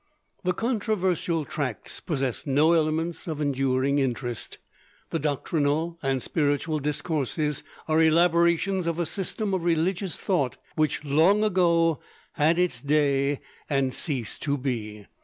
The controversial tracts possess no elements of enduring interest. The doctrinal and spiritual discourses are elaborations of a system of religious thought which long ago "had its day and ceased to be."